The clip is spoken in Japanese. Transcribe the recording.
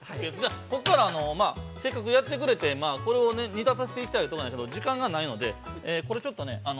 ◆ここから、まあせっかくやってくれてこれを煮立たせていきたいとこなんやけど時間がないので、これちょっとね。